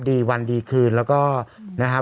ดีวันดีคืนแล้วก็นะครับ